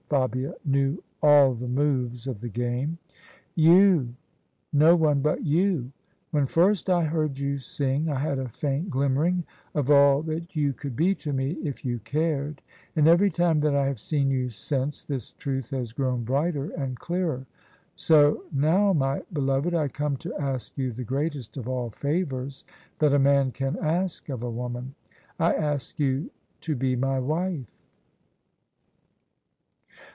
Fabia knew all the moves of the game. " You ; no one but you ! When first I heard you sing, I had a faint glimmering of all that you could be to me if you cared; and every time that I have seen you since, this truth has grown brighter and clearer. So now, my beloved, I come to ask you the greatest of all favours that a man can ask of a woman — I ask you to be my wife."